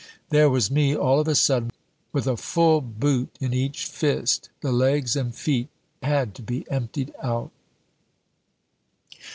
There was me, all of a sudden, with a full boot in each fist. The legs and feet had to be emptied out."